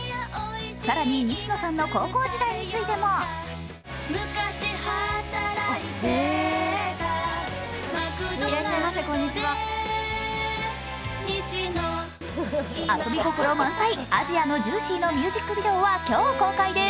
更に西野さんの高校時代についても遊び心満載「アジアのジューシー」のミュージックビデオは今日公開です。